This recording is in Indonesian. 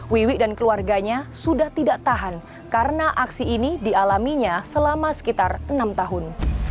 wiwi dan keluarganya sudah tidak tahan karena aksi ini dialaminya selama sekitar enam tahun